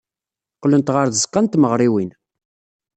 Qqlent ɣer tzeɣɣa n tmeɣriwin.